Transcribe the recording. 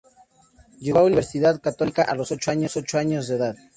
Llegó a Universidad Católica a los ocho años de edad.